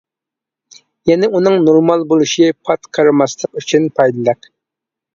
يەنى ئۇنىڭ نورمال بولۇشى پات قېرىماسلىق ئۈچۈن پايدىلىق.